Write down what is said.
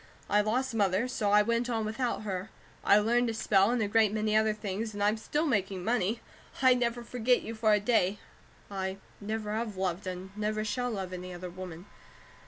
"I lost Mother, so I went on without her. I learned to spell, and a great many other things, and I'm still making money. I never forget you for a day; I never have loved and never shall love any other woman.